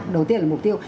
đầu tiên là mục tiêu